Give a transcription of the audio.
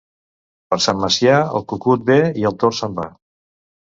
Per Sant Macià el cucut ve i el tord se'n va.